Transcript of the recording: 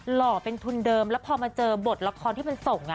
ห่อเป็นทุนเดิมแล้วพอมาเจอบทละครที่มันส่ง